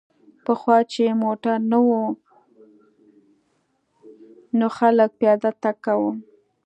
پخوا چې موټر نه و نو خلک پیاده تګ کاوه